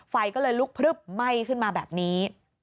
ไฟก็เลยลุกพลึบไหม้ขึ้นมาแบบนี้